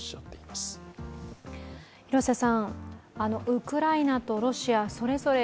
ウクライナとロシアそれぞれ